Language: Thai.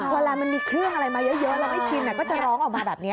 เวลามันมีเครื่องอะไรมาเยอะแล้วไม่ชินก็จะร้องออกมาแบบนี้